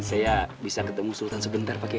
saya bisa ketemu sultan sebentar pak kiai